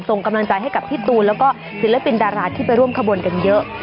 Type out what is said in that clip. ส่งกำลังใจให้กับพี่ตูนแล้วก็ศิลปินดาราที่ไปร่วมขบวนกันเยอะ